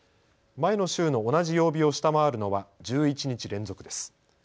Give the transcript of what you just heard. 前の週の同じ曜日を下回るのは１１日連続です。